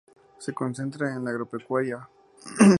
Se concentra en la agropecuaria.